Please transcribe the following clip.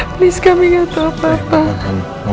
tolong kami kasih tahu terima kasih engkau